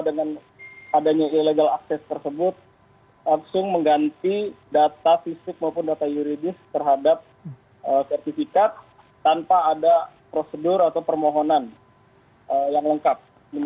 dengan adanya illegal access tersebut langsung mengganti data fisik maupun data yuridis terhadap sertifikat tanpa ada prosedur atau permohonan yang lengkap